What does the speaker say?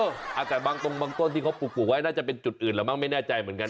เออแต่บางต้นที่เขาปลูกไว้น่าจะเป็นจุดอื่นหรือไม่แน่ใจเหมือนกัน